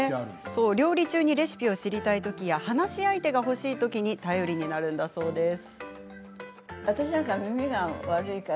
料理中にレシピを知りたいときや話し相手が欲しいときに頼りになるんだそうです。